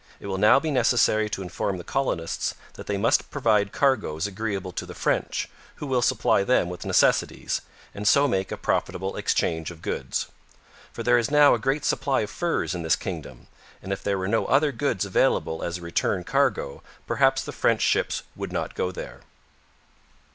It will now be necessary to inform the colonists that they must provide cargoes agreeable to the French, who will supply them with necessities, and so make a profitable exchange of goods. For there is now a great supply of furs in this kingdom, and if there were no other goods available as a return cargo perhaps the French ships would not go there.